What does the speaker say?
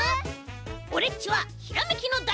オレっちはひらめきのだいてんさい！